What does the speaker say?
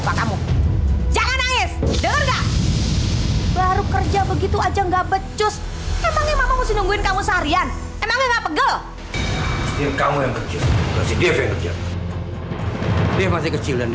tidak ada yang bisa membuat mama bahagia